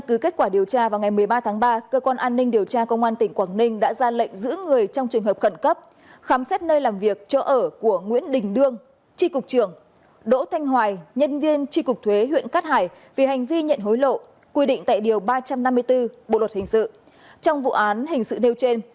cơ quan điều tra làm rõ hành vi nhận hối lộ của một số cán bộ thuộc tri cục thuế huyện cát hải hải phòng để cho một số đối tượng trong vụ án thành lập công ty ma chuyên mua bán trái phép hóa đơn